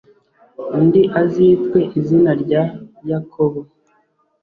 undi azitwe izina rya yakobo,